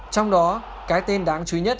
trong đó cái tên đáng chú ý nhất